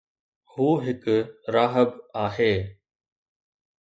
هو هڪ راهب آهي